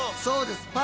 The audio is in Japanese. そうです。